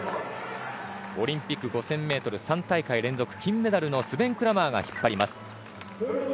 オリンピック５０００ｍ３大会連続金メダルのスベン・クラマーが引っ張ります。